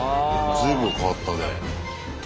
随分変わったね。